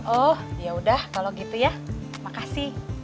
oh yaudah kalau gitu ya makasih